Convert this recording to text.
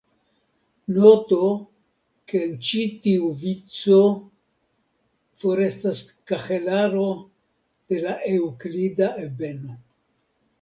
Noto ke en ĉi tiu vico forestas kahelaro de la eŭklida ebeno.